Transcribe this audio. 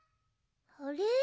あれ？